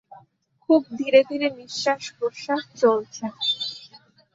খুব ধীরে ধীরে নিশ্বাস-প্রশ্বাস চলছে।